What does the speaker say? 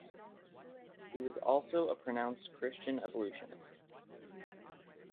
He was also a pronounced Christian Evolutionist.